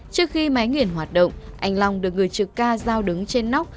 trước khi máy nghiền hoạt động anh long được gửi trực ca giao đứng trên nóc